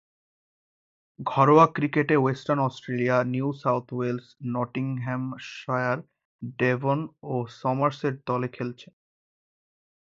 ঘরোয়া ক্রিকেটে Western Australia, New South Wales, Nottinghamshire, Devon ও সমারসেট দলে খেলেছেন।